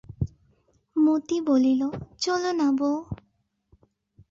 মতি বলিল, চল না বউ?